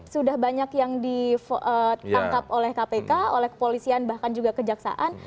sudah banyak yang ditangkap oleh kpk oleh kepolisian bahkan juga kejaksaan